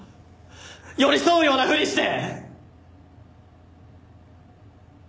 寄り添うようなふりして！